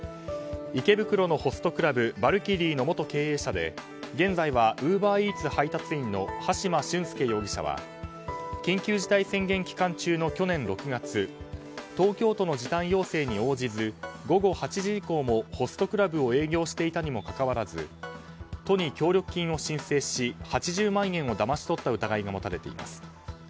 池袋のホストクラブＶＡＬＫＹＲＩＥの元経営者で現在はウーバーイーツ配達員の羽島駿介容疑者は緊急事態宣言期間中の去年６月東京都の時短要請に応じず午後８時以降もホストクラブを営業していたにもかかわらず都に協力金を申請し８０万円をだまし取った疑いが持たれています。